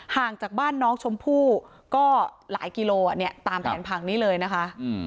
ห่างจากบ้านน้องชมพู่ก็หลายกิโลตามแผนผังนี้เลยนะคะ